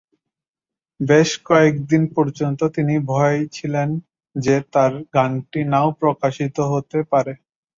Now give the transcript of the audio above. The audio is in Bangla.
বেশ কয়েক দিন পর্যন্ত, তিনি ভয় ছিলেন যে তার গানটি নাও প্রকাশিত হতে পারে।